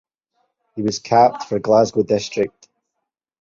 He was capped for Glasgow District.